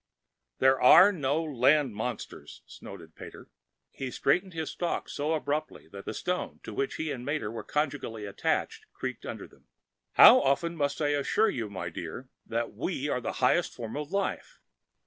"There ARE no land monsters!" snorted Pater. He straightened his stalk so abruptly that the stone to which he and Mater were conjugally attached creaked under them. "How often must I assure you, my dear, that WE are the highest form of life?"